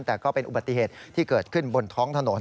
แต่ก็เป็นอุบัติเหตุที่เกิดขึ้นบนท้องถนน